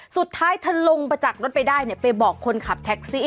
สุดท้ายเธอลงไปจากรถไปได้ไปบอกคนขับแท็กซี่